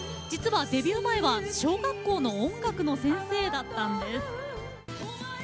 実はデビュー前は小学校の音楽の先生だったんです。